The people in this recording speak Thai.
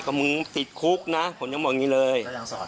ก็มึงติดคุกนะผมยังบอกอย่างนี้เลย